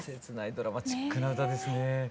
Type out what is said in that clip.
切ないドラマチックな歌ですね。